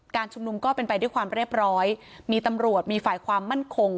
ชุมนุมก็เป็นไปด้วยความเรียบร้อยมีตำรวจมีฝ่ายความมั่นคง